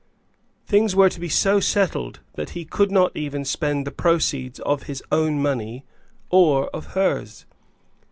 Things were to be so settled that he could not even spend the proceeds of his own money, or of hers.